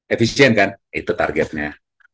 efisien kan itu targetnya